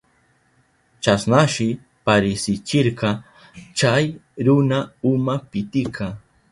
Chasnashi parisichirka chay runata uma pitika.